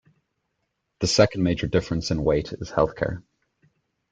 The second major difference in weight is healthcare.